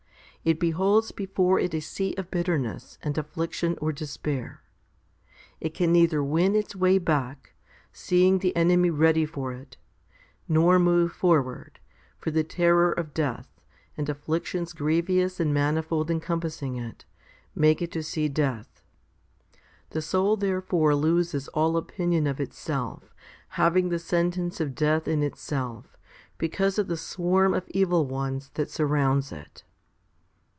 It beholds before it a sea of bitterness and affliction or despair. It can neither win its way back, seeing the enemy ready for it, nor move forward, for the terror of death, and afflictions grievous and manifold encompassing it, make it to see death. The soul therefore loses all opinion of itself, having the sentence of death in itself* because of the swarm of evil ones that surrounds it.